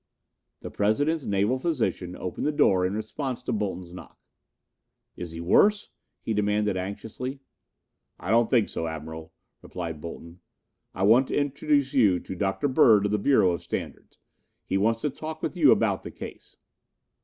The President's naval physician opened the door in response to Bolton's knock. "Is he worse?" he demanded anxiously. "I don't think so, Admiral," replied Bolton. "I want to introduce you to Dr. Bird of the Bureau of Standards. He wants to talk with you about the case."